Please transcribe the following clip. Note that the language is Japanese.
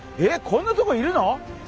こんなとこいるの？